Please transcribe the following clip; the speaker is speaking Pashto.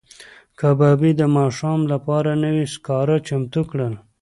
کبابي د ماښام لپاره نوي سکاره چمتو کړل.